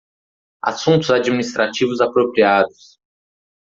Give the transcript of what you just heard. Assuntos administrativos apropriados